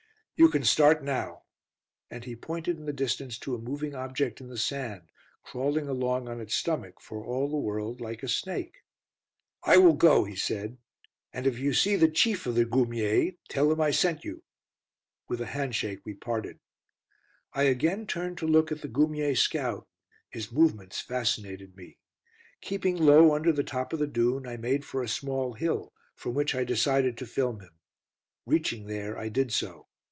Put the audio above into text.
"You can start now," and he pointed in the distance to a moving object in the sand, crawling along on its stomach for all the world like a snake. "I will go," he said, "and if you see the Chief of the Goumiers, tell him I sent you." With a handshake we parted. I again turned to look at the Goumier scout, his movements fascinated me. Keeping low under the top of the dune, I made for a small hill, from which I decided to film him. Reaching there, I did so.